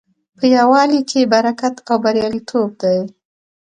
په یووالي کې برکت او بریالیتوب دی.